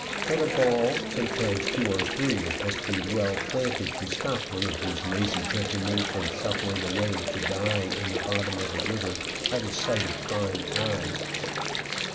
But a ball, sometimes two or three, must be well planted to stop one of these lazy gentlemen from shuffling away to die in the bottom of the river out of sight of prying eyes.